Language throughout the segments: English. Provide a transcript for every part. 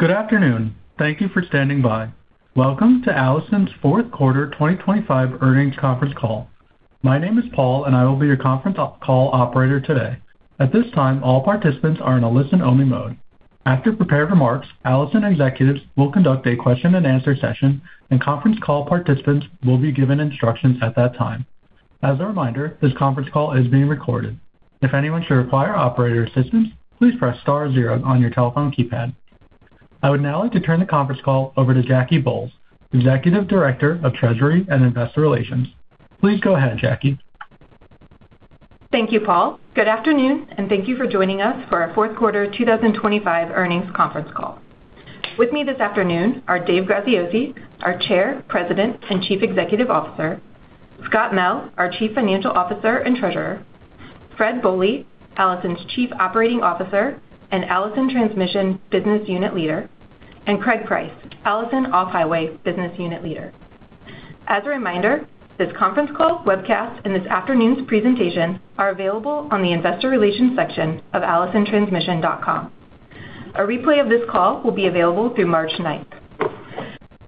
Good afternoon. Thank you for standing by. Welcome to Allison's Fourth Quarter 2025 Earnings Conference Call. My name is Paul, I will be your conference call operator today. At this time, all participants are in a listen-only mode. After prepared remarks, Allison executives will conduct a Q&A session, conference call participants will be given instructions at that time. As a reminder, this conference call is being recorded. If anyone should require operator assistance, please press star zero on your telephone keypad. I would now like to turn the conference call over to Jackie Bolles, Executive Director of Treasury and Investor Relations. Please go ahead, Jackie. Thank you, Paul. Good afternoon, thank you for joining us for our fourth quarter 2025 earnings conference call. With me this afternoon are Dave Graziosi, our Chair, President, and Chief Executive Officer, Scott Mell, our Chief Financial Officer and Treasurer, Fred Bohley, Allison's Chief Operating Officer and Allison Transmission Business Unit Leader, and Craig Price, Allison Off-Highway Business Unit Leader. As a reminder, this conference call, webcast, and this afternoon's presentation are available on the Investor Relations section of allisontransmission.com. A replay of this call will be available through March 9th.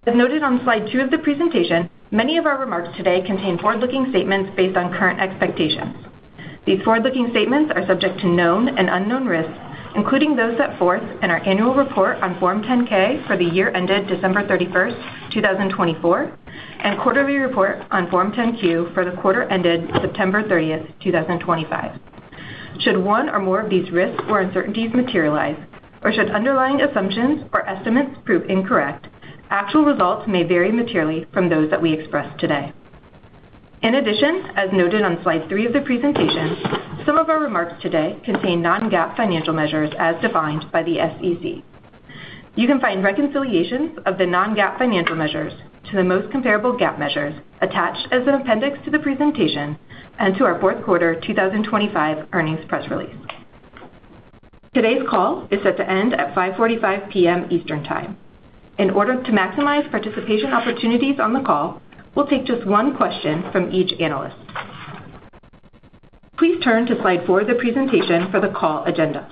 As noted on slide two of the presentation, many of our remarks today contain forward-looking statements based on current expectations. These forward-looking statements are subject to known and unknown risks, including those set forth in our annual report on Form 10-K for the year ended December 31st, 2024, and quarterly report on Form 10-Q for the quarter ended September 30th, 2025. Should one or more of these risks or uncertainties materialize, or should underlying assumptions or estimates prove incorrect, actual results may vary materially from those that we express today. In addition, as noted on slide three of the presentation, some of our remarks today contain non-GAAP financial measures as defined by the SEC. You can find reconciliations of the non-GAAP financial measures to the most comparable GAAP measures attached as an appendix to the presentation and to our fourth quarter 2025 earnings press release. Today's call is set to end at 5:45 P.M. Eastern Time. In order to maximize participation opportunities on the call, we'll take just one question from each analyst. Please turn to slide four of the presentation for the call agenda.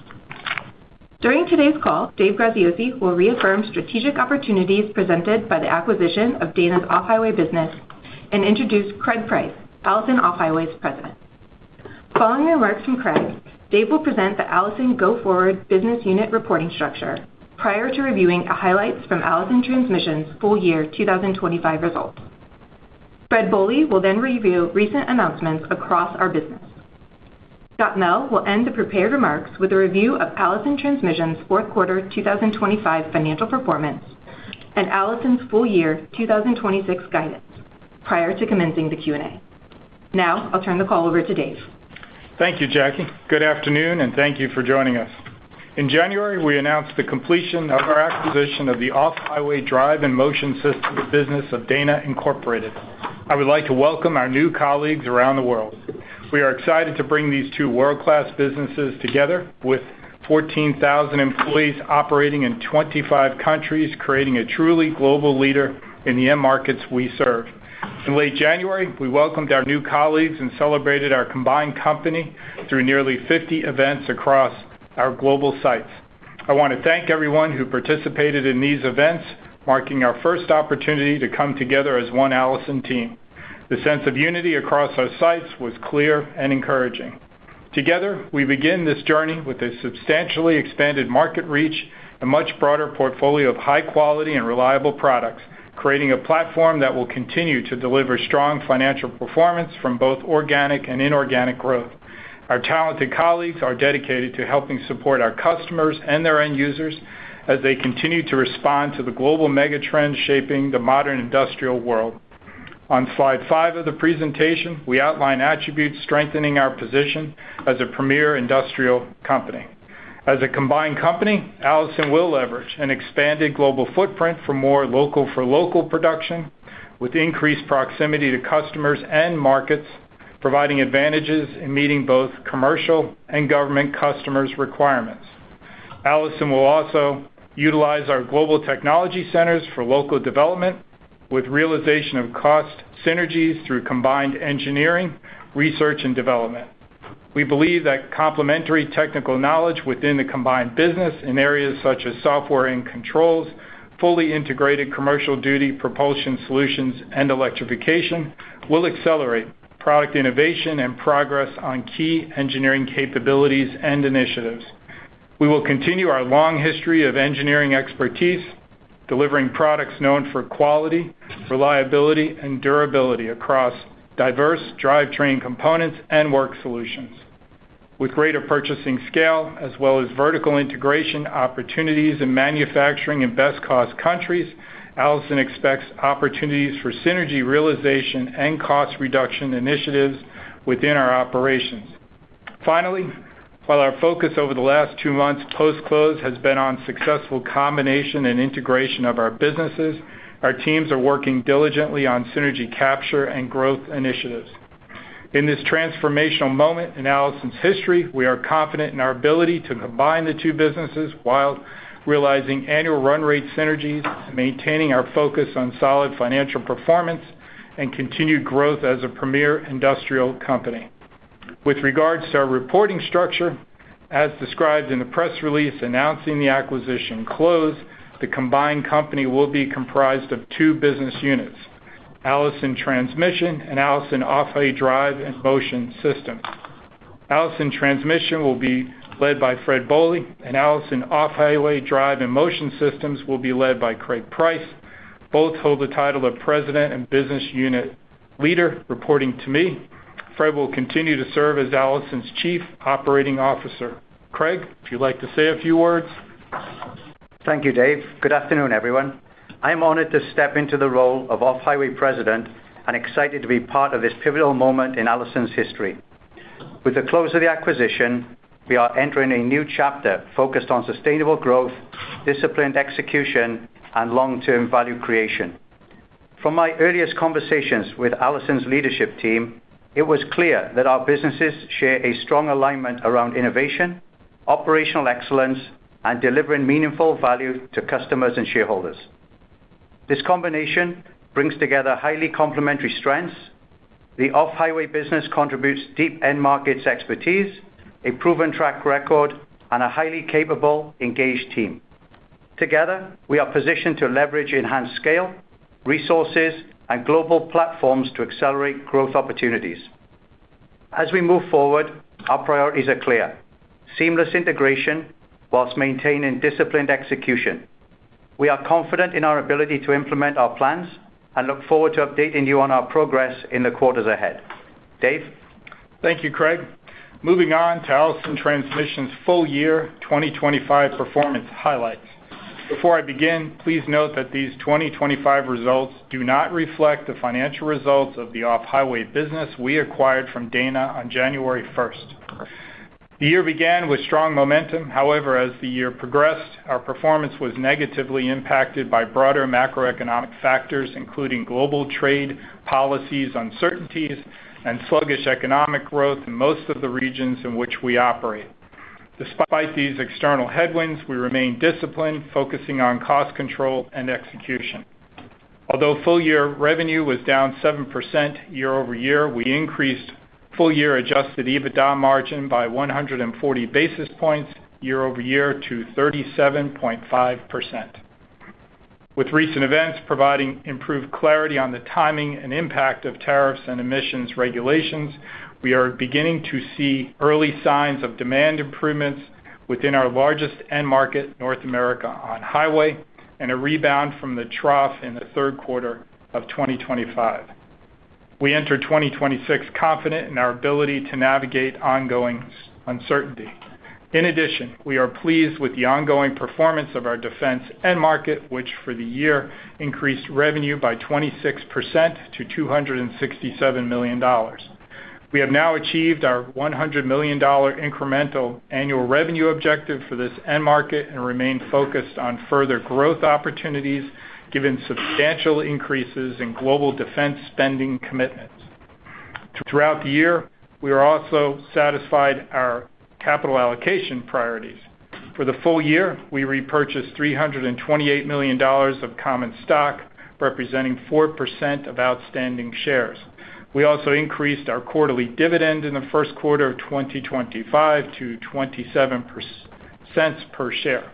During today's call, Dave Graziosi will reaffirm strategic opportunities presented by the acquisition of Dana's Off-Highway business and introduce Craig Price, Allison Off-Highway's President. Following remarks from Craig, Dave will present the Allison go-forward business unit reporting structure prior to reviewing the highlights from Allison Transmission's full year 2025 results. Fred Bohley will then review recent announcements across our business. Scott Mell will end the prepared remarks with a review of Allison Transmission's fourth quarter 2025 financial performance and Allison's full year 2026 guidance prior to commencing the Q&A. Now I'll turn the call over to Dave. Thank you, Jackie. Good afternoon, and thank you for joining us. In January, we announced the completion of our acquisition of the Off-Highway Drive & Motion Systems business of Dana Incorporated. I would like to welcome our new colleagues around the world. We are excited to bring these two world-class businesses together with 14,000 employees operating in 25 countries, creating a truly global leader in the end markets we serve. In late January, we welcomed our new colleagues and celebrated our combined company through nearly 50 events across our global sites. I want to thank everyone who participated in these events, marking our first opportunity to come together as one Allison team. The sense of unity across our sites was clear and encouraging. Together, we begin this journey with a substantially expanded market reach, a much broader portfolio of high quality and reliable products, creating a platform that will continue to deliver strong financial performance from both organic and inorganic growth. Our talented colleagues are dedicated to helping support our customers and their end users as they continue to respond to the global mega trends shaping the modern industrial world. On slide five of the presentation, we outline attributes strengthening our position as a premier industrial company. As a combined company, Allison will leverage an expanded global footprint for more local, for local production, with increased proximity to customers and markets, providing advantages in meeting both commercial and government customers' requirements. Allison will also utilize our global technology centers for local development, with realization of cost synergies through combined engineering, research, and development. We believe that complementary technical knowledge within the combined business in areas such as software and controls, fully integrated commercial duty propulsion solutions, and electrification will accelerate product innovation and progress on key engineering capabilities and initiatives. We will continue our long history of engineering expertise, delivering products known for quality, reliability, and durability across diverse drivetrain components and work solutions. With greater purchasing scale as well as vertical integration opportunities in manufacturing in best-cost countries, Allison expects opportunities for synergy realization and cost reduction initiatives within our operations. While our focus over the last two months post-close has been on successful combination and integration of our businesses, our teams are working diligently on synergy capture and growth initiatives. In this transformational moment in Allison's history, we are confident in our ability to combine the two businesses while realizing annual run rate synergies, maintaining our focus on solid financial performance, and continued growth as a premier industrial company. With regards to our reporting structure, as described in the press release announcing the acquisition close, the combined company will be comprised of two business units, Allison Transmission and Allison Off-Highway Drive & Motion Systems. Allison Transmission will be led by Fred Bohley, and Allison Off-Highway Drive & Motion Systems will be led by Craig Price. Both hold the title of President and Business Unit Leader, reporting to me. Fred will continue to serve as Allison's Chief Operating Officer. Craig, if you'd like to say a few words? Thank you, Dave. Good afternoon, everyone. I'm honored to step into the role of Off-Highway President and excited to be part of this pivotal moment in Allison's history. With the close of the acquisition, we are entering a new chapter focused on sustainable growth, disciplined execution, and long-term value creation. From my earliest conversations with Allison's leadership team, it was clear that our businesses share a strong alignment around innovation, operational excellence, and delivering meaningful value to customers and shareholders. This combination brings together highly complementary strengths. The Off-Highway business contributes deep end markets expertise, a proven track record, and a highly capable, engaged team. Together, we are positioned to leverage enhanced scale, resources, and global platforms to accelerate growth opportunities. As we move forward, our priorities are clear: seamless integration while maintaining disciplined execution. We are confident in our ability to implement our plans and look forward to updating you on our progress in the quarters ahead. Dave? Thank you, Craig. Moving on to Allison Transmission's full year 2025 performance highlights. Before I begin, please note that these 2025 results do not reflect the financial results of the Off-Highway business we acquired from Dana on January 1st. The year began with strong momentum. However, as the year progressed, our performance was negatively impacted by broader macroeconomic factors, including global trade policies, uncertainties, and sluggish economic growth in most of the regions in which we operate. Despite these external headwinds, we remain disciplined, focusing on cost control and execution. Although full year revenue was down 7% year-over-year, we increased full year adjusted EBITDA margin by 140 basis points year-over-year to 37.5%. With recent events providing improved clarity on the timing and impact of tariffs and emissions regulations, we are beginning to see early signs of demand improvements within our largest end market, North America, on highway and a rebound from the trough in the third quarter of 2025. We enter 2026 confident in our ability to navigate ongoing uncertainty. In addition, we are pleased with the ongoing performance of our defense end market, which for the year increased revenue by 26% to $267 million. We have now achieved our $100 million incremental annual revenue objective for this end market and remain focused on further growth opportunities, given substantial increases in global defense spending commitments. Throughout the year, we are also satisfied our capital allocation priorities. For the full year, we repurchased $328 million of common stock, representing 4% of outstanding shares. We also increased our quarterly dividend in the first quarter of 2025 to $0.27 per share.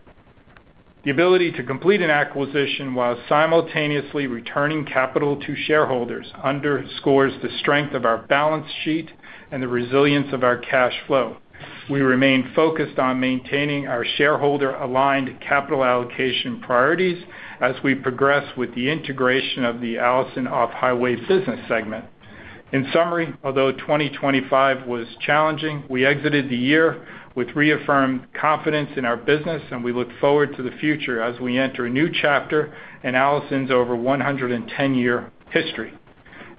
The ability to complete an acquisition while simultaneously returning capital to shareholders underscores the strength of our balance sheet and the resilience of our cash flow. We remain focused on maintaining our shareholder-aligned capital allocation priorities as we progress with the integration of the Allison Off-Highway business segment. In summary, although 2025 was challenging, we exited the year with reaffirmed confidence in our business, and we look forward to the future as we enter a new chapter in Allison's over 110-year history.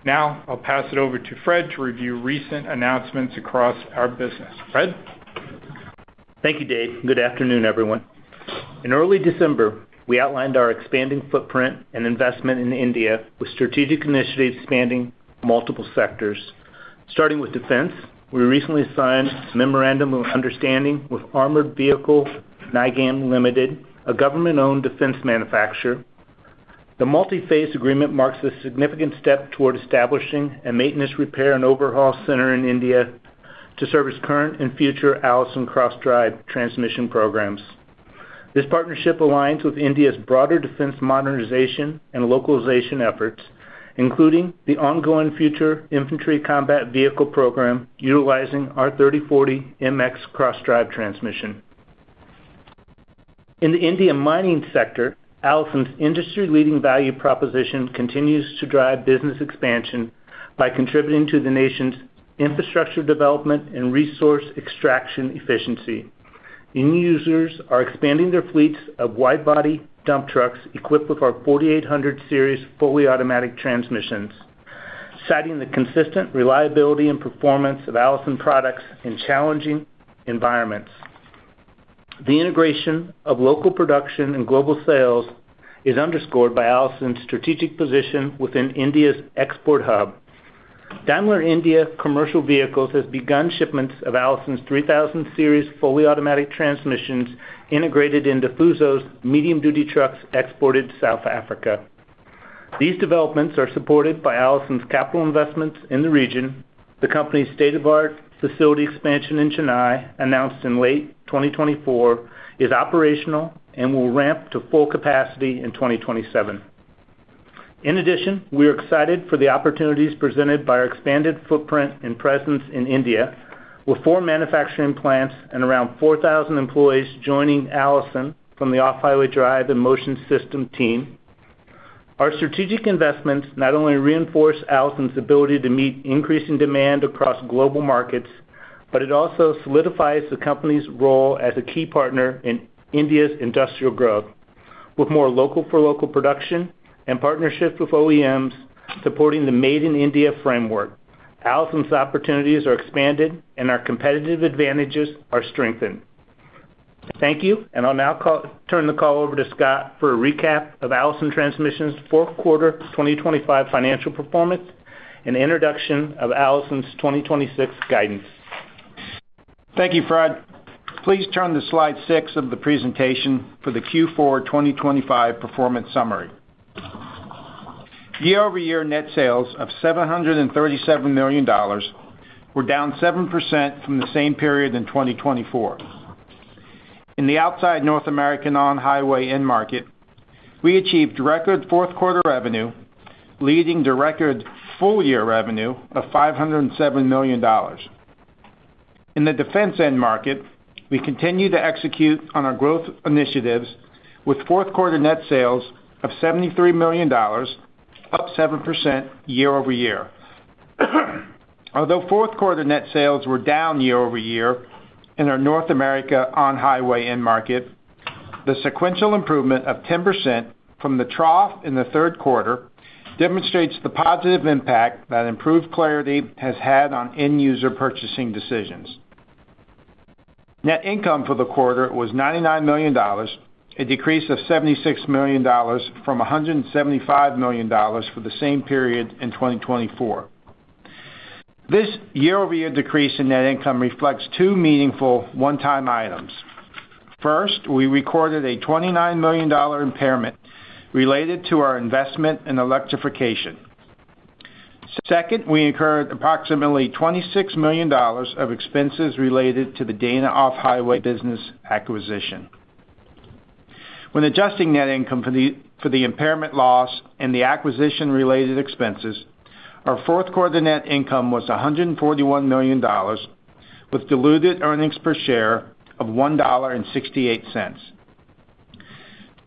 Now, I'll pass it over to Fred to review recent announcements across our business. Fred? Thank you, Dave. Good afternoon, everyone. In early December, we outlined our expanding footprint and investment in India with strategic initiatives spanning multiple sectors. Starting with defense, we recently signed a memorandum of understanding with Armoured Vehicles Nigam Limited, a government-owned defense manufacturer. The multi-phase agreement marks a significant step toward establishing a maintenance, repair, and overhaul center in India to service current and future Allison cross-drive transmission programs. This partnership aligns with India's broader defense modernization and localization efforts, including the ongoing Future Infantry Combat Vehicle program, utilizing our 3040 MX cross-drive transmission. In the India mining sector, Allison's industry-leading value proposition continues to drive business expansion by contributing to the nation's infrastructure development and resource extraction efficiency. End users are expanding their fleets of wide-body dump trucks equipped with our 4800 Series fully automatic transmissions, citing the consistent reliability and performance of Allison products in challenging environments. The integration of local production and global sales is underscored by Allison's strategic position within India's export hub. Daimler India Commercial Vehicles has begun shipments of Allison's 3000 Series fully automatic transmissions integrated into Fuso's medium-duty trucks exported to South Africa These developments are supported by Allison's capital investments in the region. The company's state-of-the-art facility expansion in Chennai, announced in late 2024, is operational and will ramp to full capacity in 2027. In addition, we are excited for the opportunities presented by our expanded footprint and presence in India, with four manufacturing plants and around 4,000 employees joining Allison from the Off-Highway Drive & Motion Systems team. Our strategic investments not only reinforce Allison's ability to meet increasing demand across global markets, but it also solidifies the company's role as a key partner in India's industrial growth, with more local for local production and partnerships with OEMs supporting the Make in India framework. Allison's opportunities are expanded, and our competitive advantages are strengthened. Thank you, and I'll now turn the call over to Scott for a recap of Allison Transmission's fourth quarter 2025 financial performance and introduction of Allison's 2026 guidance. Thank you, Fred. Please turn to Slide six of the presentation for the Q4 2025 performance summary. Year-over-year net sales of $737 million were down 7% from the same period in 2024. In the outside North American On-Highway end market, we achieved record fourth quarter revenue, leading to record full-year revenue of $507 million. In the defense end market, we continue to execute on our growth initiatives with fourth quarter net sales of $73 million, up 7% year-over-year. Although fourth quarter net sales were down year-over-year in our North America On-Highway end market, the sequential improvement of 10% from the trough in the third quarter demonstrates the positive impact that improved clarity has had on end user purchasing decisions. Net income for the quarter was $99 million, a decrease of $76 million from $175 million for the same period in 2024. This year-over-year decrease in net income reflects two meaningful one-time items. First, we recorded a $29 million impairment related to our investment in electrification. Second, we incurred approximately $26 million of expenses related to the Dana Off-Highway business acquisition. When adjusting net income for the impairment loss and the acquisition-related expenses, our fourth quarter net income was $141 million, with diluted earnings per share of $1.68.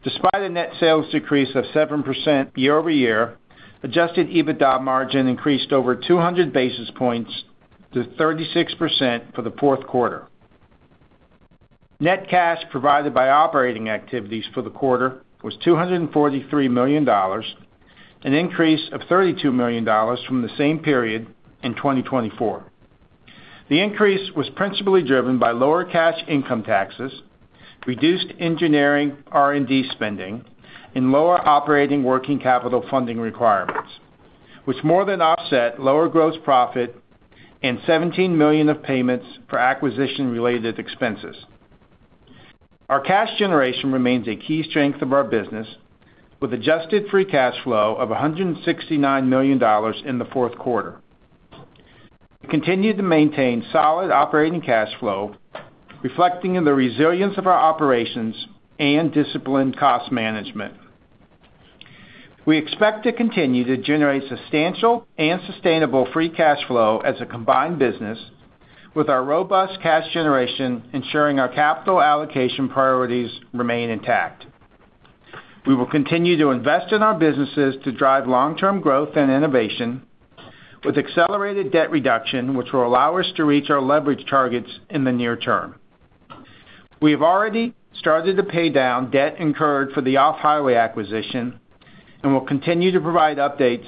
Despite a net sales decrease of 7% year-over-year, adjusted EBITDA margin increased over 200 basis points to 36% for the fourth quarter. Net cash provided by operating activities for the quarter was $243 million, an increase of $32 million from the same period in 2024. The increase was principally driven by lower cash income taxes, reduced engineering R&D spending, and lower operating working capital funding requirements, which more than offset lower gross profit and $17 million of payments for acquisition-related expenses. Our cash generation remains a key strength of our business, with adjusted free cash flow of $169 million in the fourth quarter. We continue to maintain solid operating cash flow, reflecting in the resilience of our operations and disciplined cost management. We expect to continue to generate substantial and sustainable free cash flow as a combined business, with our robust cash generation ensuring our capital allocation priorities remain intact. We will continue to invest in our businesses to drive long-term growth and innovation, with accelerated debt reduction, which will allow us to reach our leverage targets in the near term. We have already started to pay down debt incurred for the Off-Highway acquisition and will continue to provide updates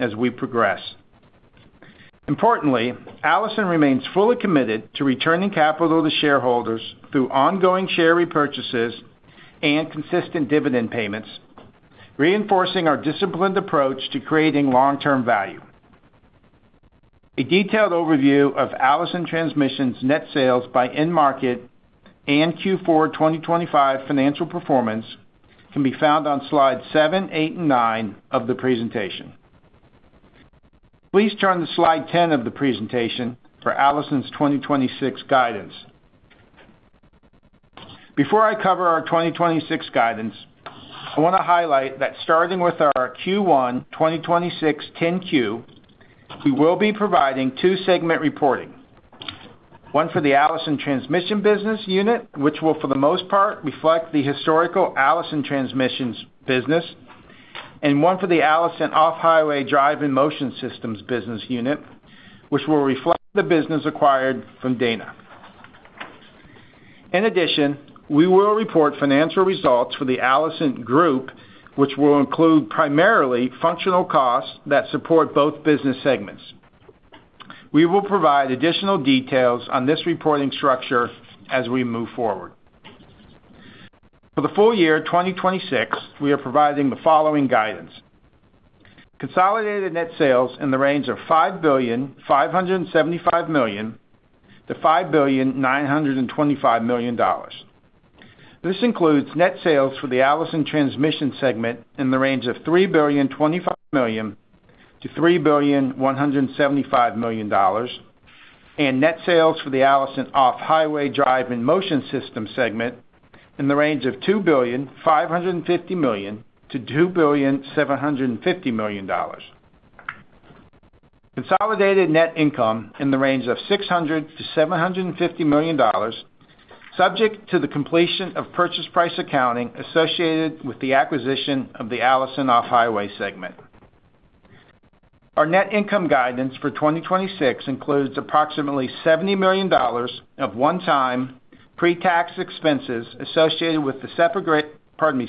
as we progress. Importantly, Allison remains fully committed to returning capital to shareholders through ongoing share repurchases and consistent dividend payments, reinforcing our disciplined approach to creating long-term value. A detailed overview of Allison Transmission's net sales by end market and Q4 2025 financial performance can be found on slide seven, eight, and nine of the presentation. Please turn to Slide 10 of the presentation for Allison's 2026 guidance. Before I cover our 2026 guidance, I want to highlight that starting with our Q1 2026 10-Q, we will be providing two segment reporting. One for the Allison Transmission business unit, which will, for the most part, reflect the historical Allison Transmission business, and one for the Allison Off-Highway Drive & Motion Systems business unit, which will reflect the business acquired from Dana. In addition, we will report financial results for the Allison Transmission, which will include primarily functional costs that support both business segments. We will provide additional details on this reporting structure as we move forward. For the full year 2026, we are providing the following guidance: consolidated net sales in the range of $5.575 billion-$5.925 billion. This includes net sales for the Allison Transmission segment in the range of $3.025 billion-$3.175 billion, and net sales for the Allison Off-Highway Drive & Motion Systems segment in the range of $2.55 billion-$2.75 billion. Consolidated net income in the range of $600 million-$750 million, subject to the completion of purchase price accounting associated with the acquisition of the Allison Off-Highway segment. Our net income guidance for 2026 includes approximately $70 million of one-time pre-tax expenses associated with the separation, pardon me,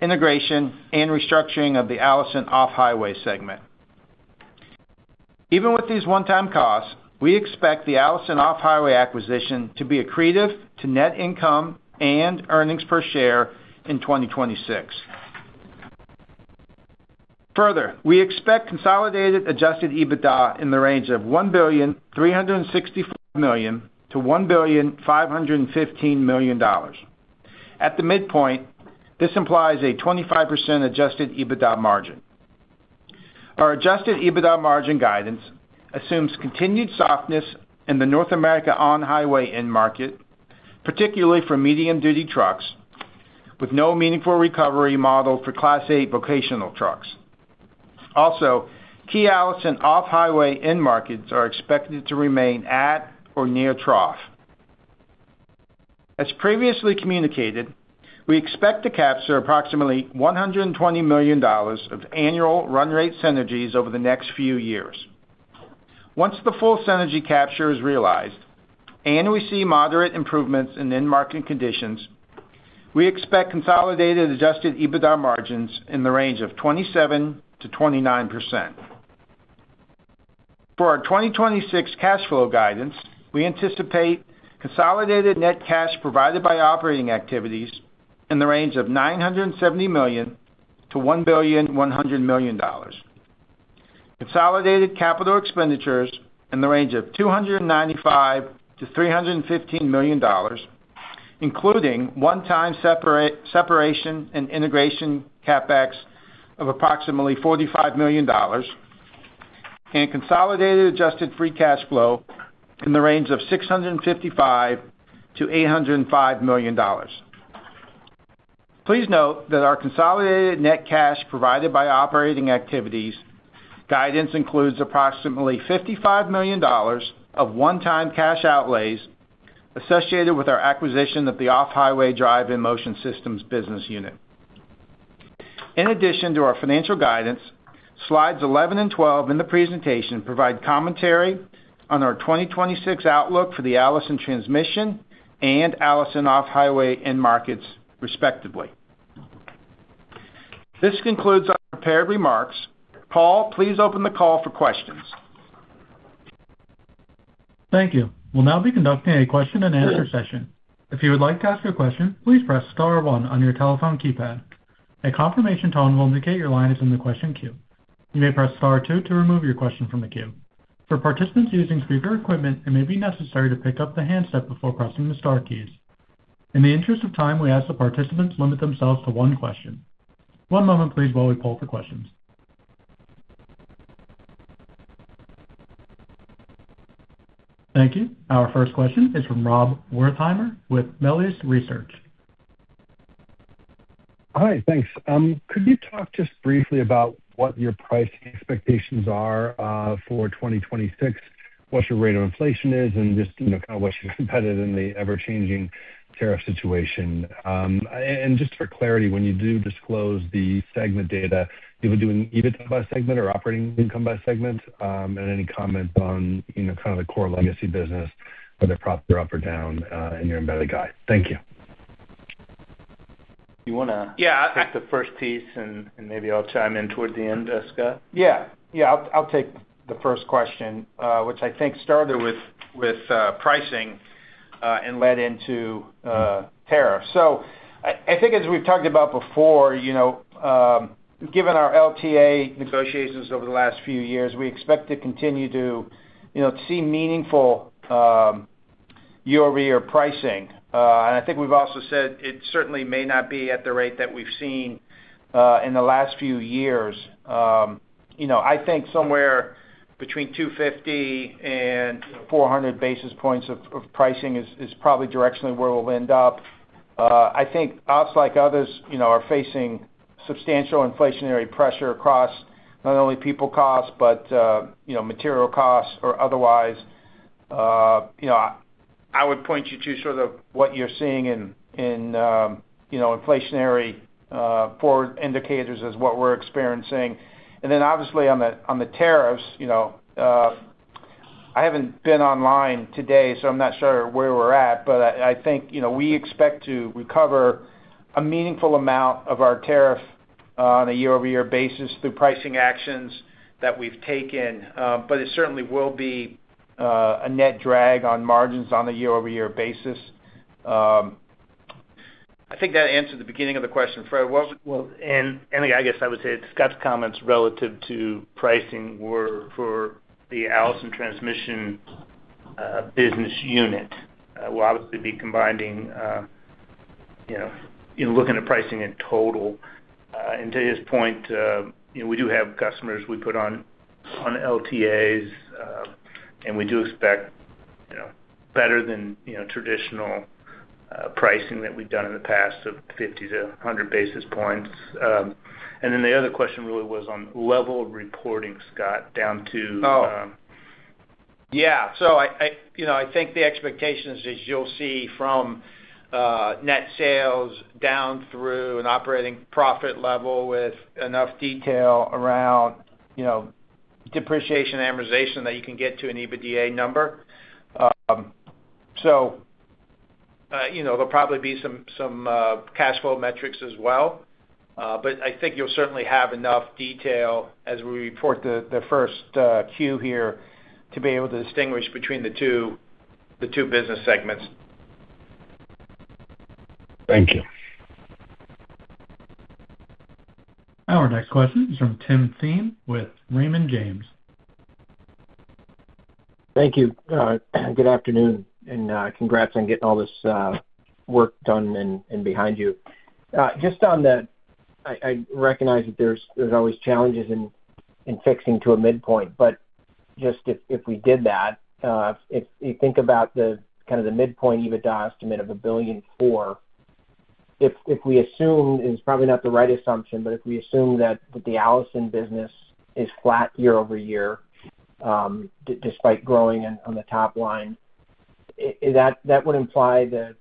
integration, and restructuring of the Allison Off-Highway segment. Even with these one-time costs, we expect the Allison Off-Highway acquisition to be accretive to net income and earnings per share in 2026. Further, we expect consolidated adjusted EBITDA in the range of $1.364 billion-$1.515 billion. At the midpoint, this implies a 25% adjusted EBITDA margin. Our adjusted EBITDA margin guidance assumes continued softness in the North America On-Highway end market, particularly for medium-duty trucks, with no meaningful recovery model for Class 8 vocational trucks. Also, key Allison Off-Highway end markets are expected to remain at or near trough. As previously communicated, we expect to capture approximately $120 million of annual run rate synergies over the next few years. Once the full synergy capture is realized and we see moderate improvements in end market conditions, we expect consolidated adjusted EBITDA margins in the range of 27%-29%. For our 2026 cash flow guidance, we anticipate consolidated net cash provided by operating activities in the range of $970 million-$1.1 billion. Consolidated capital expenditures in the range of $295 million-$315 million, including one-time separation and integration CapEx of approximately $45 million, and consolidated adjusted free cash flow in the range of $655 million-$805 million. Please note that our consolidated net cash provided by operating activities guidance includes approximately $55 million of one-time cash outlays associated with our acquisition of the Off-Highway Drive & Motion Systems business unit. In addition to our financial guidance, slides 11 and 12 in the presentation provide commentary on our 2026 outlook for the Allison Transmission and Allison Off-Highway end markets, respectively. This concludes our prepared remarks. Paul, please open the call for questions. Thank you. We'll now be conducting a Q&A session. If you would like to ask a question, please press star one on your telephone keypad. A confirmation tone will indicate your line is in the question queue. You may press star two to remove your question from the queue. For participants using speaker equipment, it may be necessary to pick up the handset before pressing the star keys. In the interest of time, we ask that participants limit themselves to one question. One moment, please, while we poll for questions. Thank you. Our first question is from Rob Wertheimer with Melius Research. Hi, thanks. Could you talk just briefly about what your pricing expectations are for 2026, what your rate of inflation is, and just, you know, kind of what you competitive in the ever-changing tariff situation? Just for clarity, when you do disclose the segment data, you will do an EBITDA by segment or operating income by segment, and any comments on, you know, kind of the core legacy business, whether profits are up or down in your embedded guide. Thank you. You wanna take the first piece, and, and maybe I'll chime in toward the end, Scott? Yeah. Yeah, I'll, I'll take the first question, which I think started with, with pricing, and led into tariffs. I, I think as we've talked about before, you know, given our LTA negotiations over the last few years, we expect to continue to, you know, see meaningful year-over-year pricing. I think we've also said it certainly may not be at the rate that we've seen in the last few years. You know, I think somewhere between 250 and 400 basis points of pricing is, is probably directionally where we'll end up. I think us, like others, you know, are facing substantial inflationary pressure across not only people costs, but, you know, material costs or otherwise. You know, I, I would point you to sort of what you're seeing in, in, you know, inflationary, forward indicators as what we're experiencing. Obviously, on the, on the tariffs, you know, I haven't been online today, so I'm not sure where we're at, but I, I think, you know, we expect to recover a meaningful amount of our tariff on a year-over-year basis through pricing actions that we've taken. It certainly will be a net drag on margins on a year-over-year basis. I think that answered the beginning of the question, Fred, what was it? Well, I guess I would say, Scott's comments relative to pricing were for the Allison Transmission business unit. We'll obviously be combining, you know, in looking at pricing in total. To his point, you know, we do have customers we put on LTAs, and we do expect, you know, better than, you know, traditional pricing that we've done in the past of 50 to 100 basis points. Then the other question really was on level of reporting, Scott, down to, Oh, yeah. I, I, you know, I think the expectations, as you'll see from, net sales down through an operating profit level with enough detail around, you know, depreciation and amortization, that you can get to an EBITDA number. You know, there'll probably be some, some cash flow metrics as well. I think you'll certainly have enough detail as we report the, the first Q here, to be able to distinguish between the two, the two business segments. Thank you. Our next question is from Tim Thein with Raymond James. Thank you. Good afternoon, congrats on getting all this work done and behind you. I recognize that there's always challenges in fixing to a midpoint, but if we did that, if you think about the kind of the midpoint EBITDA estimate of $1.4 billion, if we assume that the Allison business is flat year-over-year, despite growing on the top line, that would imply that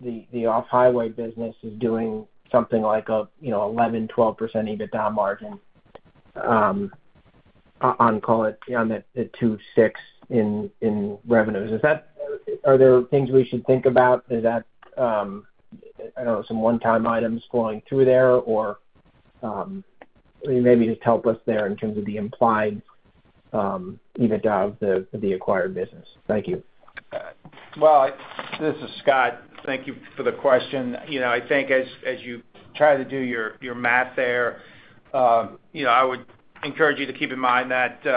the Off-Highway business is doing something like an 11%-12% EBITDA margin on $2.6 billion in revenues. Are there things we should think about? Is that some one-time items flowing through there? Maybe just help us there in terms of the implied EBITDA of the, the acquired business. Thank you. Well, this is Scott. Thank you for the question. You know, I think as, as you try to do your, your math there, you know, I would encourage you to keep in mind that, you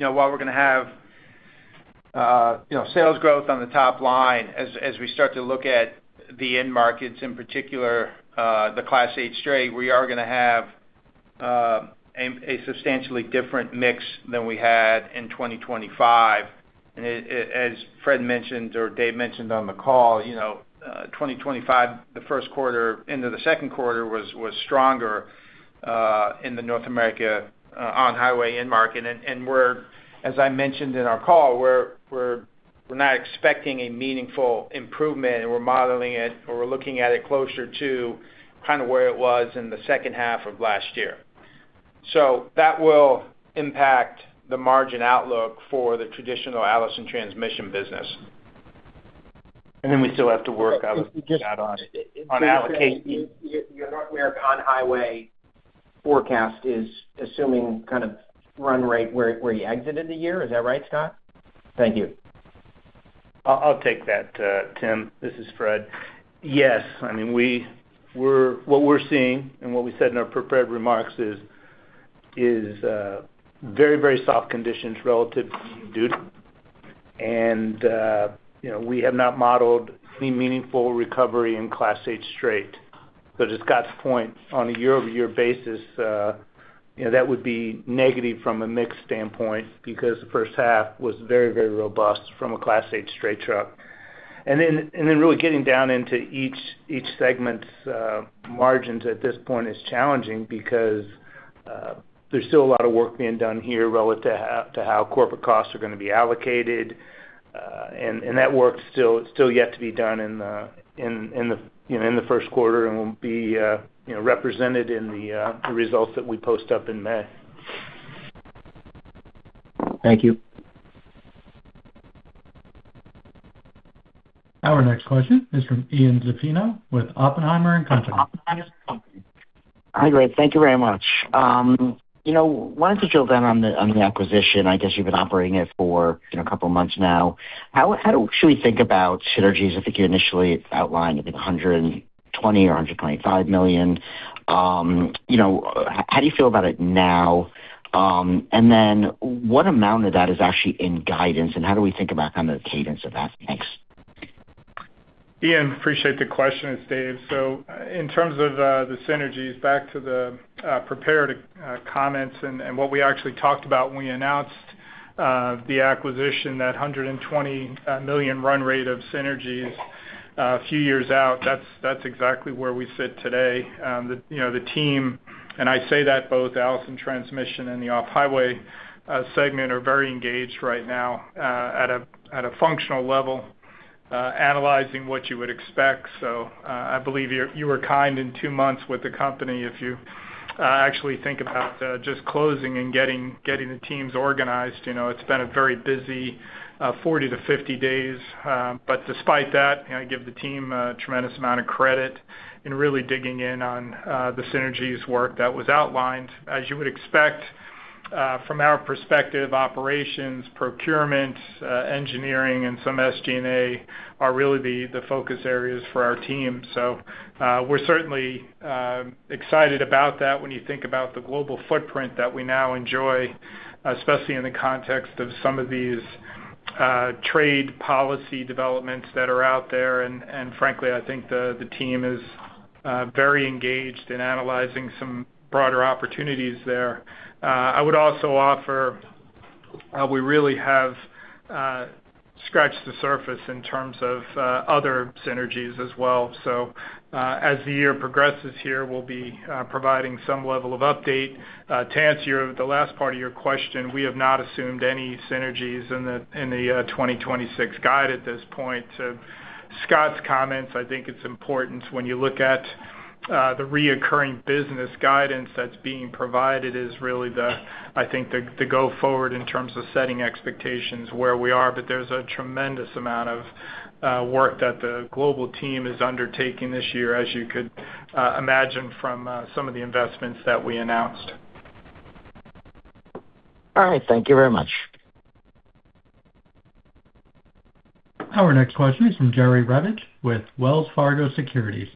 know, while we're gonna have, you know, sales growth on the top line, as, as we start to look at the end markets, in particular, the Class 8 straight, we are gonna have, a, a substantially different mix than we had in 2025. As Fred mentioned, or Dave mentioned on the call, you know, 2025, the 1st quarter into the 2nd quarter was, was stronger, in the North America, On-Highway end market. we're, as I mentioned in our call, we're, we're, we're not expecting a meaningful improvement, and we're modeling it, or we're looking at it closer to kind of where it was in the second half of last year. That will impact the margin outlook for the traditional Allison Transmission business. Then we still have to work out on, on allocation. Your North American On-Highway forecast is assuming kind of run rate, where you exited the year. Is that right, Scott? Thank you. I'll, I'll take that, Tim. This is Fred. Yes, I mean, we're what we're seeing and what we said in our prepared remarks is very, very soft conditions relative to duty. You know, we have not modeled any meaningful recovery in Class 8 straight. To Scott's point, on a year-over-year basis, you know, that would be negative from a mix standpoint because the first half was very, very robust from a Class 8 straight truck. and then really getting down into each, each segment's margins at this point is challenging because there's still a lot of work being done here relative to how corporate costs are gonna be allocated, and, and that work still, still yet to be done in the, in, in the, you know, in the first quarter and will be, you know, represented in the, the results that we post up in May. Thank you. Our next question is from Ian Zaffino with Oppenheimer and Company. Hi, great. Thank you very much. You know, wanted to drill down on the, on the acquisition. I guess you've been operating it for, you know, a couple of months now. How, how do we actually think about synergies? I think you initially outlined, I think, $120 million or $125 million. You know, how do you feel about it now? What amount of that is actually in guidance, and how do we think about kind of the cadence of that? Thanks. Ian, appreciate the question. It's Dave. In terms of the synergies, back to the prepared comments and what we actually talked about when we announced the acquisition, that $120 million run rate of synergies a few years out, that's exactly where we sit today. The, you know, the team, and I say that both Allison Transmission and the Off-Highway segment, are very engaged right now at a functional level analyzing what you would expect. I believe you, you were kind in two months with the company, if you actually think about just closing and getting, getting the teams organized. You know, it's been a very busy 40-50 days. Despite that, and I give the team a tremendous amount of credit in really digging in on the synergies work that was outlined. As you would expect. From our perspective, operations, procurement, engineering, and some SG&A are really the, the focus areas for our team. We're certainly excited about that when you think about the global footprint that we now enjoy, especially in the context of some of these trade policy developments that are out there. Frankly, I think the, the team is very engaged in analyzing some broader opportunities there. I would also offer, we really have scratched the surface in terms of other synergies as well. As the year progresses here, we'll be providing some level of update. To answer your, the last part of your question, we have not assumed any synergies in the, in the, 2026 guide at this point. Scott's comments, I think it's important when you look at the reoccurring business guidance that's being provided, is really the, I think, the, the go-forward in terms of setting expectations where we are. There's a tremendous amount of work that the global team is undertaking this year, as you could imagine from some of the investments that we announced. All right, thank you very much. Our next question is from Jerry Revich with Wells Fargo Securities.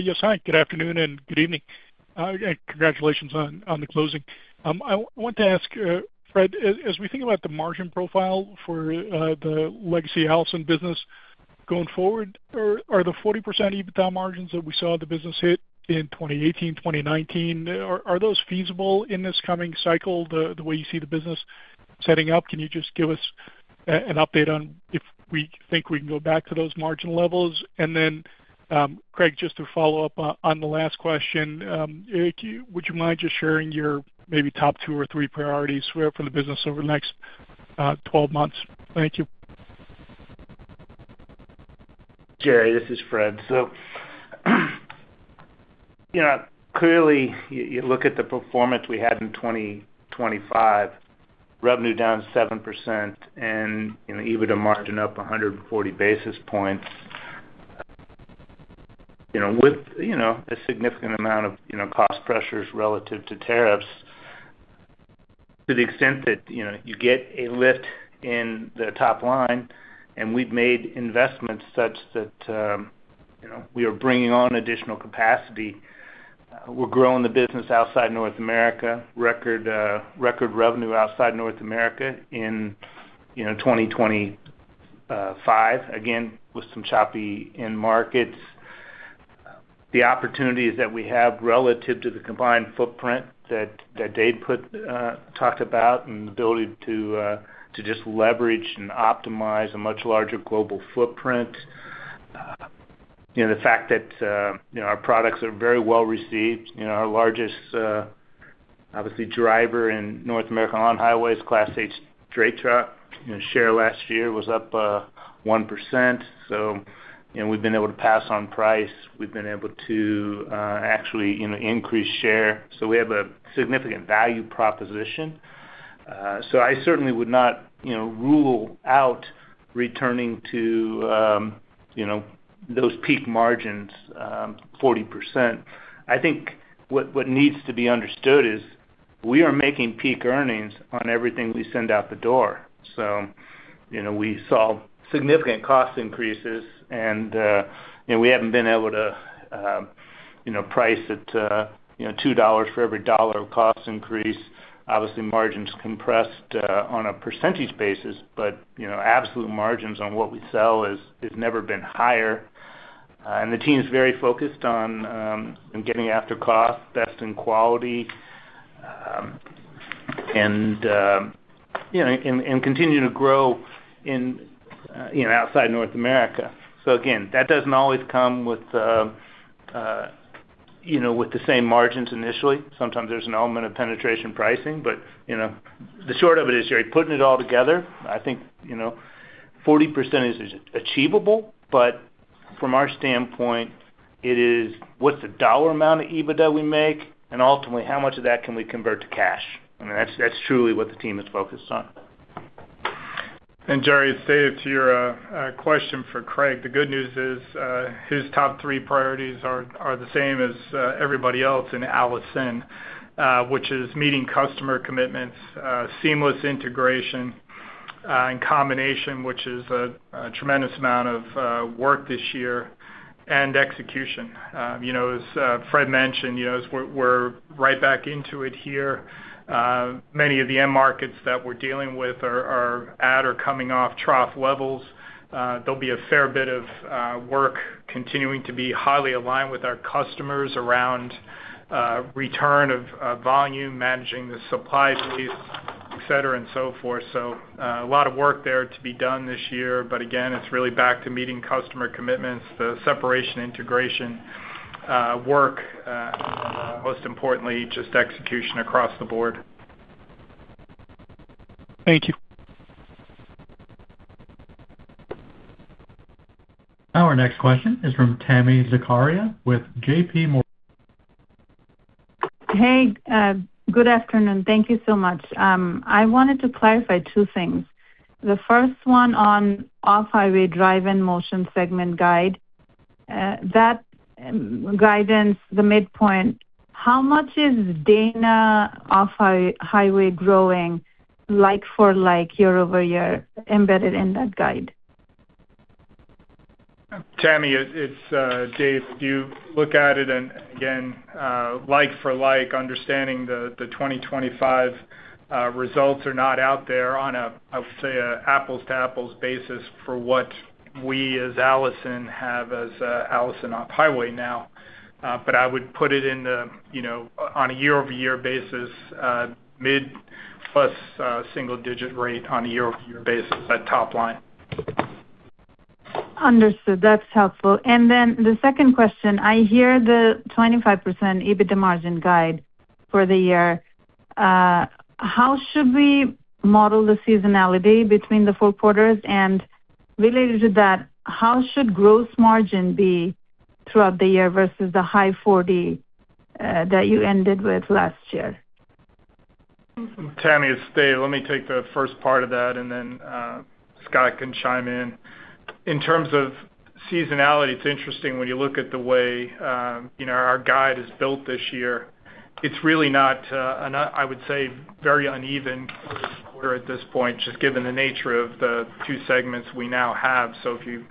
Yes, hi, good afternoon and good evening. Congratulations on the closing. I want to ask Fred, as we think about the margin profile for the legacy Allison business going forward, are the 40% EBITDA margins that we saw the business hit in 2018, 2019, are those feasible in this coming cycle, the way you see the business setting up? Can you just give us an update on if we think we can go back to those margin levels? Then Craig, just to follow up on the last question, if you would you mind just sharing your maybe top two or three priorities for the business over the next 12 months? Thank you. Jerry, this is Fred. You know, clearly, you, you look at the performance we had in 2025, revenue down 7% and, you know, EBITDA margin up 140 basis points. You know, with, you know, a significant amount of, you know, cost pressures relative to tariffs, to the extent that, you know, you get a lift in the top line, and we've made investments such that, you know, we are bringing on additional capacity. We're growing the business outside North America. Record, record revenue outside North America in, you know, 2025, again, with some choppy end markets. The opportunities that we have relative to the combined footprint that, that Dave talked about, and the ability to just leverage and optimize a much larger global footprint. You know, the fact that, you know, our products are very well received. You know, our largest, obviously, driver in North American On-Highway is Class 8 straight truck. You know, share last year was up, 1%, so, you know, we've been able to pass on price. We've been able to, actually, you know, increase share. We have a significant value proposition. I certainly would not, you know, rule out returning to, you know, those peak margins, 40%. I think what, what needs to be understood is, we are making peak earnings on everything we send out the door. You know, we saw significant cost increases, and, you know, we haven't been able to, you know, price it, you know, $2 for every $1 of cost increase. Obviously, margins compressed on a percentage basis, but, you know, absolute margins on what we sell is, has never been higher. The team is very focused on getting after cost, best in quality, and continuing to grow in outside North America. Again, that doesn't always come with, you know, with the same margins initially. Sometimes there's an element of penetration pricing, but, you know, the short of it is, you're putting it all together. I think, you know, 40% is achievable, but from our standpoint, it is, what's the dollar amount of EBITDA we make? Ultimately, how much of that can we convert to cash? I mean, that's, that's truly what the team is focused on. Jerry, to save to your question for Craig, the good news is his top three priorities are the same as everybody else in Allison, which is meeting customer commitments, seamless integration and combination, which is a tremendous amount of work this year, and execution. You know, as Fred mentioned, you know, as we're right back into it here, many of the end markets that we're dealing with are at or coming off trough levels. There'll be a fair bit of work continuing to be highly aligned with our customers around return of volume, managing the supply base, et cetera, and so forth. A lot of work there to be done this year, but again, it's really back to meeting customer commitments, the separation, integration, work, and most importantly, just execution across the board. Thank you. Our next question is from Tami Zakaria, with JPMorgan. Hey, good afternoon. Thank you so much. I wanted to clarify two things. The first one on Off-Highway Drive & Motion segment guide, that guidance, the midpoint, how much is Dana Off-Highway growing like for like year-over-year embedded in that guide? Tammy, it, it's Dave. If you look at it, and again, like for like, understanding the, the 2025 results are not out there on a, I would say, an apples-to-apples basis for what we as Allison have as Allison Off-Highway now. But I would put it in the, you know, on a year-over-year basis, mid-plus, single-digit rate on a year-over-year basis, that top line. Understood. That's helpful. Then the second question: I hear the 25% EBITDA margin guide for the year. How should we model the seasonality between the four quarters, and related to that, how should gross margin be throughout the year versus the high 40, that you ended with last year? Tami, it's Dave. Let me take the first part of that, and then, Scott can chime in. In terms of seasonality, it's interesting when you look at the way, you know, our guide is built this year. It's really not, an, I would say, very uneven quarter at this point, just given the nature of the two segments we now have. If you,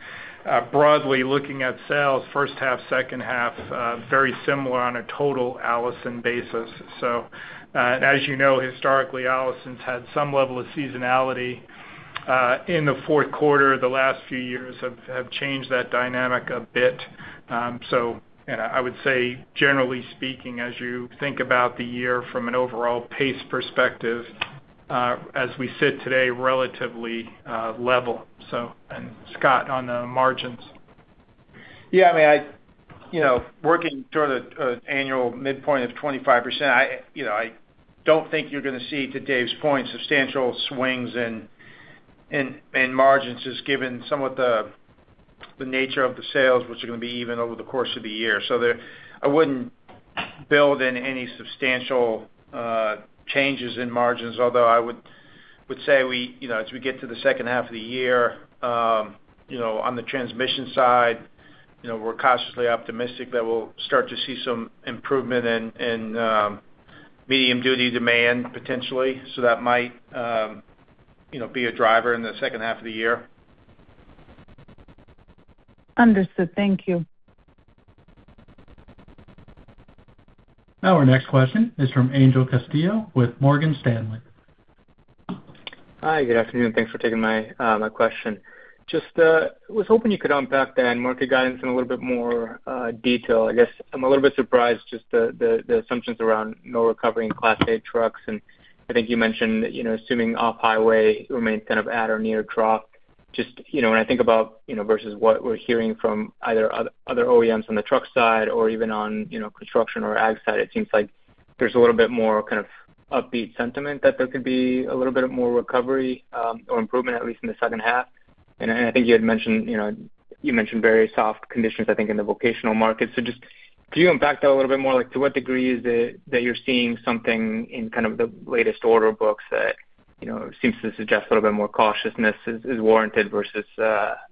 broadly looking at sales, first half, second half, very similar on a total Allison basis. As you know, historically, Allison's had some level of seasonality in the fourth quarter. The last few years have, have changed that dynamic a bit. I would say, generally speaking, as you think about the year from an overall pace perspective, as we sit today, relatively level. Scott, on the margins. Yeah, I mean, I, you know, working toward an annual midpoint of 25%, I, you know, I don't think you're going to see, to Dave's point, substantial swings in, in, in margins, just given some of the, the nature of the sales, which are going to be even over the course of the year. There, I wouldn't build in any substantial changes in margins, although I would, I would say we, you know, as we get to the second half of the year, you know, on the transmission side, you know, we're cautiously optimistic that we'll start to see some improvement in, in, medium-duty demand, potentially. That might, you know, be a driver in the second half of the year. Understood. Thank you. Now, our next question is from Angel Castillo with Morgan Stanley. Hi, good afternoon. Thanks for taking my question. Just was hoping you could unpack the end market guidance in a little bit more detail. I guess I'm a little bit surprised, just the assumptions around no recovery in Class 8 trucks, and I think you mentioned that, you know, assuming Off-Highway remains kind of at or near trough. Just, you know, when I think about, you know, versus what we're hearing from either other OEMs on the truck side or even on, you know, construction or ag side, it seems like there's a little bit more kind of upbeat sentiment, that there could be a little bit of more recovery or improvement, at least in the second half. I think you had mentioned, you know, you mentioned very soft conditions, I think, in the vocational market. Just can you unpack that a little bit more, like, to what degree is it that you're seeing something in kind of the latest order books that, you know, seems to suggest a little bit more cautiousness is, is warranted versus,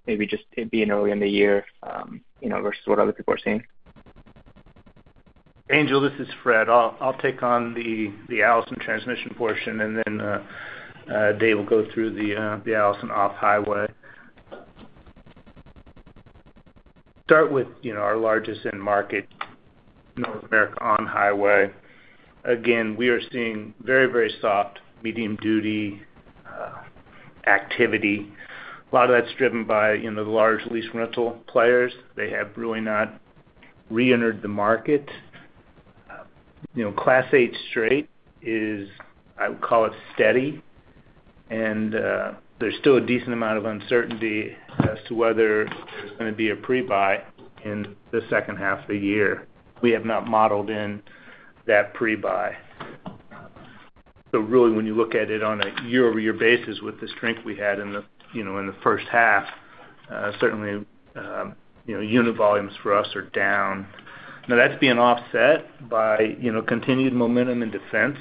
maybe just it being early in the year, you know, versus what other people are seeing? Angel, this is Fred. I'll, I'll take on the Allison Transmission portion, and then Dave will go through the Allison Off-Highway Drive & Motion Systems. Start with, you know, our largest end market, North America On-Highway. Again, we are seeing very, very soft medium-duty activity. A lot of that's driven by, you know, the large lease rental players. They have really not reentered the market. You know, Class 8 straight is, I would call it, steady, and there's still a decent amount of uncertainty as to whether there's going to be a pre-buy in the second half of the year. We have not modeled in that pre-buy. Really, when you look at it on a year-over-year basis with the strength we had in the, you know, in the first half, certainly, you know, unit volumes for us are down. Now, that's being offset by, you know, continued momentum in defense,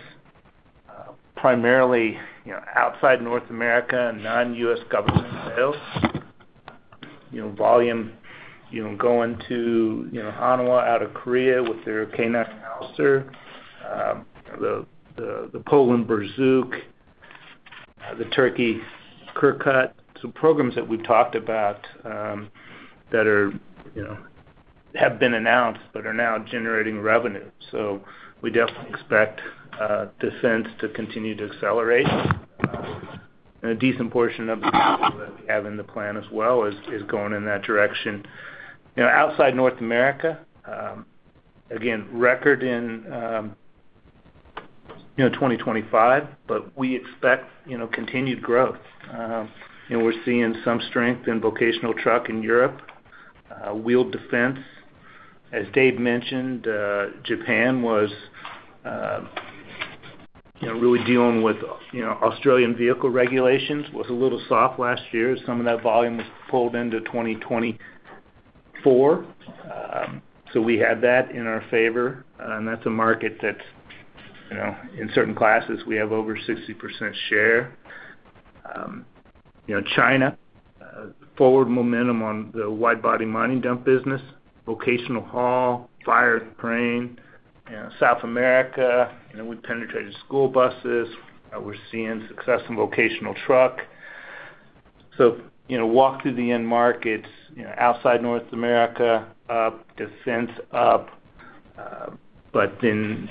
primarily, you know, outside North America and non-U.S. government sales. You know, volume, you know, going to, you know, Hanwha out of Korea with their K9 Thunder, the Poland Borsuk, the Turkey Korkut. Some programs that we've talked about, that are, you know, have been announced but are now generating revenue. We definitely expect defense to continue to accelerate. A decent portion of the that we have in the plan as well is, is going in that direction. You know, outside North America, again, record in, you know, 2025, but we expect, you know, continued growth. We're seeing some strength in vocational truck in Europe, wheeled defense. As Dave mentioned, Japan was, you know, really dealing with, you know, Australian vehicle regulations, was a little soft last year. Some of that volume was pulled into 2024. We had that in our favor, and that's a market that, you know, in certain classes, we have over 60% share. You know, China, forward momentum on the wide-body mining dump business, vocational haul, fire crane. South America, you know, we've penetrated school buses. We're seeing success in vocational truck. You know, walk through the end markets, you know, outside North America, up, defense up. Then,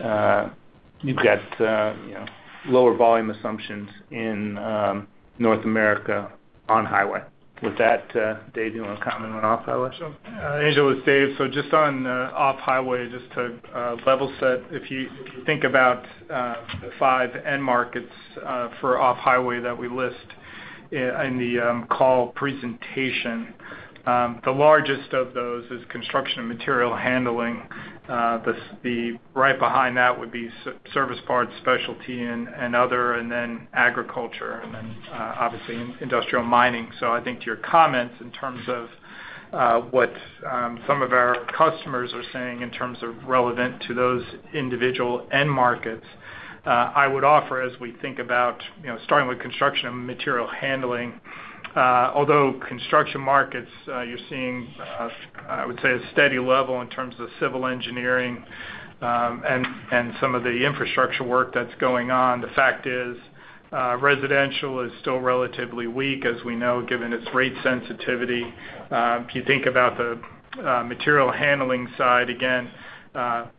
you've got, you know, lower volume assumptions in North America on highway. With that, Dave, do you want to comment on Off-Highway? Sure. Angel, it's Dave. Just on Off-Highway, just to level set, if you think about the five end markets for Off-Highway that we list in the call presentation, the largest of those is construction and material handling. The right behind that would be service parts, specialty, and other, and then agriculture, and then obviously, industrial mining. I think to your comments, in terms of what some of our customers are saying in terms of relevant to those individual end markets, I would offer, as we think about, you know, starting with construction and material handling, although construction markets, you're seeing, I would say, a steady level in terms of civil engineering, and some of the infrastructure work that's going on. The fact is, residential is still relatively weak, as we know, given its rate sensitivity. If you think about the material handling side, again,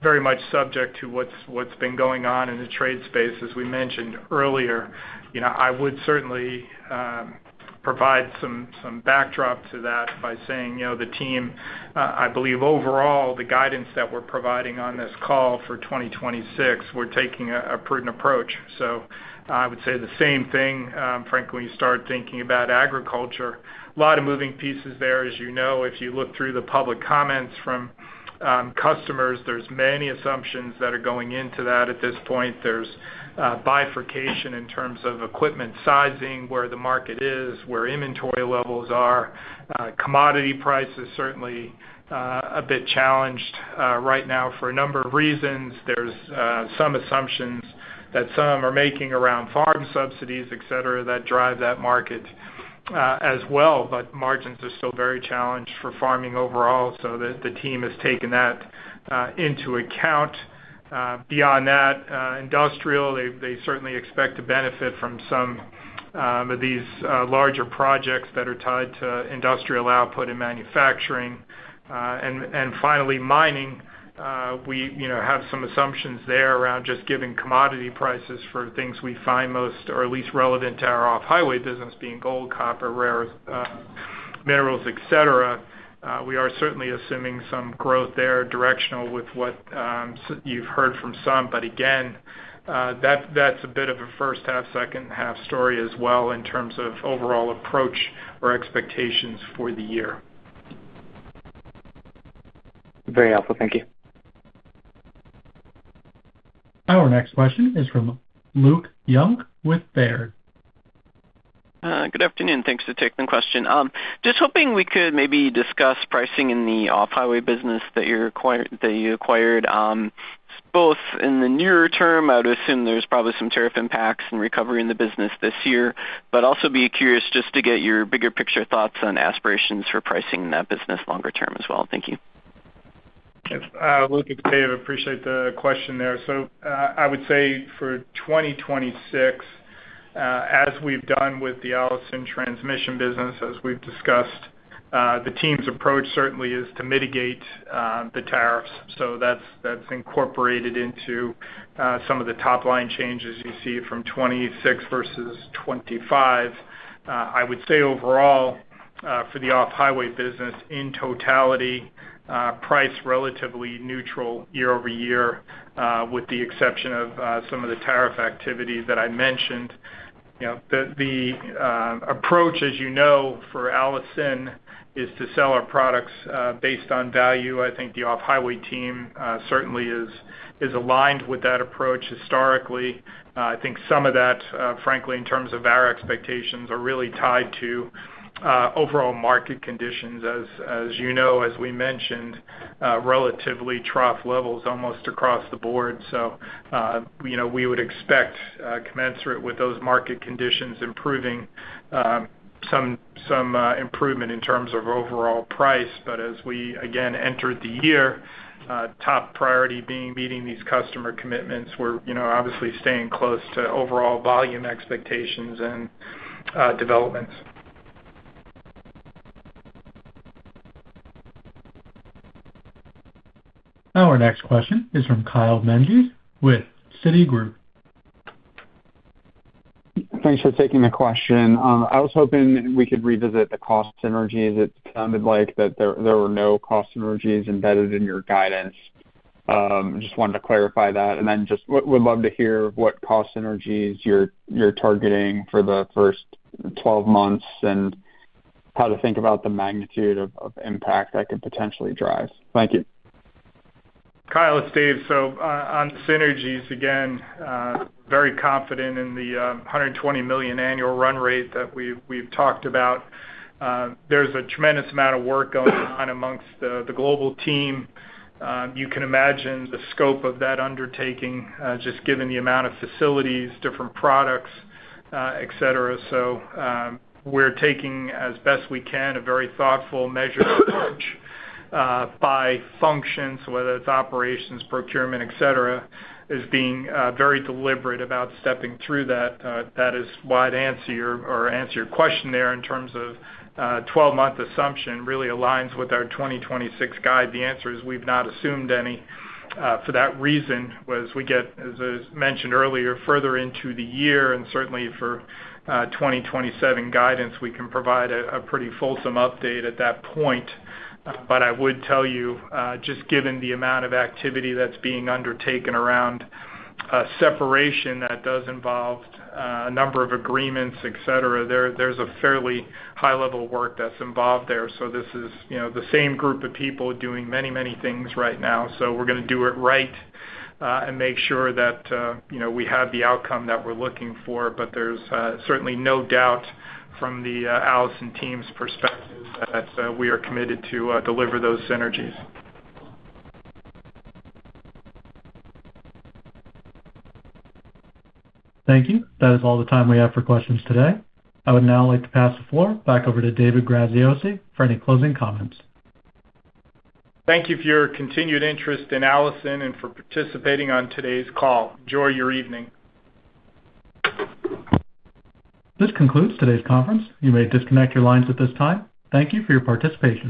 very much subject to what's, what's been going on in the trade space, as we mentioned earlier. You know, I would certainly, provide some, some backdrop to that by saying, you know, the team, I believe overall, the guidance that we're providing on this call for 2026, we're taking a, a prudent approach. I would say the same thing, frankly, when you start thinking about agriculture. A lot of moving pieces there. As you know, if you look through the public comments from customers, there's many assumptions that are going into that at this point. There's bifurcation in terms of equipment sizing, where the market is, where inventory levels are. Commodity prices, certainly, a bit challenged, right now for a number of reasons. There's some assumptions that some are making around farm subsidies, et cetera, that drive that market as well, but margins are still very challenged for farming overall, so the team has taken that into account. Beyond that, industrial, they certainly expect to benefit from some of these larger projects that are tied to industrial output and manufacturing. Finally, mining, we, you know, have some assumptions there around just giving commodity prices for things we find most or at least relevant to our Off-Highway business, being gold, copper, rare minerals, et cetera. We are certainly assuming some growth there, directional with what you've heard from some. Again, that's a bit of a first half, second half story as well, in terms of overall approach or expectations for the year. Very helpful. Thank you. Our next question is from Luke Junk with Baird. Good afternoon. Thanks to take the question. Just hoping we could maybe discuss pricing in the Off-Highway business that you acquired, both in the nearer term, I would assume there's probably some tariff impacts and recovery in the business this year, but also be curious just to get your bigger picture thoughts on aspirations for pricing in that business longer term as well. Thank you. Yes, Luke, it's Dave. Appreciate the question there. I would say for 2026, as we've done with the Allison Transmission business, as we've discussed, the team's approach certainly is to mitigate the tariffs. That's, that's incorporated into some of the top-line changes you see from 26 versus 25. I would say overall, for the Off-Highway business, in totality, price relatively neutral year-over-year, with the exception of some of the tariff activities that I mentioned. You know, the, the approach, as you know, for Allison, is to sell our products based on value. I think the Off-Highway team certainly is, is aligned with that approach historically. I think some of that, frankly, in terms of our expectations, are really tied to overall market conditions. As, as you know, as we mentioned, relatively trough levels almost across the board. You know, we would expect, commensurate with those market conditions improving, some, some, improvement in terms of overall price. As we again entered the year, top priority being meeting these customer commitments, we're, you know, obviously staying close to overall volume expectations and, developments. Our next question is from Kyle Menges with Citigroup. Thanks for taking the question. I was hoping we could revisit the cost synergies. It sounded like that there were no cost synergies embedded in your guidance. Just wanted to clarify that, and then just would love to hear what cost synergies you're targeting for the first 12 months, and how to think about the magnitude of impact that could potentially drive? Thank you. Kyle, it's Dave. On synergies, again, very confident in the $120 million annual run rate that we've talked about. There's a tremendous amount of work going on amongst the global team. You can imagine the scope of that undertaking, just given the amount of facilities, different products, et cetera. We're taking, as best we can, a very thoughtful, measured approach by functions, whether it's operations, procurement, et cetera, is being very deliberate about stepping through that. That is wide answer or answer your question there in terms of 12-month assumption, really aligns with our 2026 guide. The answer is, we've not assumed any, for that reason, was we get, as is mentioned earlier, further into the year and certainly for 2027 guidance, we can provide a pretty fulsome update at that point. I would tell you, just given the amount of activity that's being undertaken around separation, that does involve a number of agreements, et cetera. There, there's a fairly high level of work that's involved there. This is, you know, the same group of people doing many, many things right now. We're gonna do it right, and make sure that, you know, we have the outcome that we're looking for. There's certainly no doubt from the Allison team's perspective that we are committed to deliver those synergies. Thank you. That is all the time we have for questions today. I would now like to pass the floor back over to Dave Graziosi for any closing comments. Thank you for your continued interest in Allison and for participating on today's call. Enjoy your evening. This concludes today's conference. You may disconnect your lines at this time. Thank you for your participation.